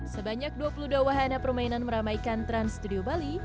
sebanyak dua puluh dua wahana permainan meramaikan trans studio bali